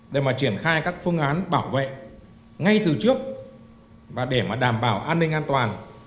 để mà triển khai các phương án bảo vệ ngay từ trước và để đảm bảo an ninh an toàn